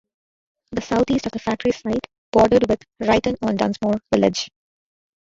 The south east of the factory site bordered with Ryton-on-Dunsmore village.